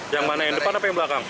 yang mana yang depan apa yang belakang